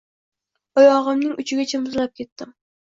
Oyog`imning uchigacha muzlab ketdim